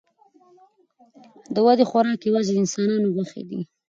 د دوی خوراک یوازې د انسانانو غوښې دي.